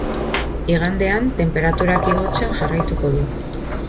Igandean tenperaturak igotzen jarraituko du.